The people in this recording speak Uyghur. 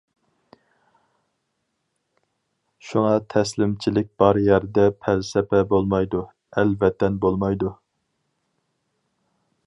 شۇڭا تەسلىمچىلىك بار يەردە پەلسەپە بولمايدۇ، ئەل- ۋەتەن بولمايدۇ.